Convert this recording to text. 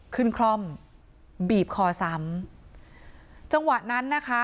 คล่อมบีบคอซ้ำจังหวะนั้นนะคะ